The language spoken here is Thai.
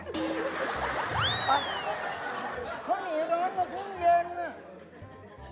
เขาหนีร้อนตลอดทุ่งเย็น